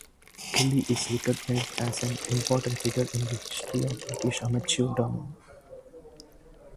Kelly is recognised as an important figure in the history of British amateur drama.